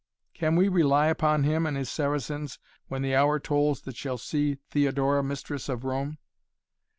"Can we rely upon him and his Saracens when the hour tolls that shall see Theodora mistress of Rome?"